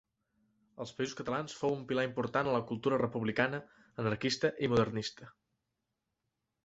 Als Països Catalans fou un pilar important a la cultura republicana, anarquista i modernista.